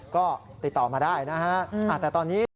ก็ติดต่อมาได้นะฮะแต่ตอนนี้